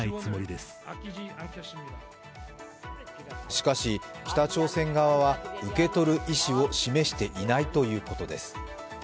しかし、北朝鮮側は受け取る意思を示していないということです。